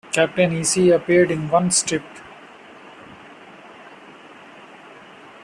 Captain Easy appeared in one strip.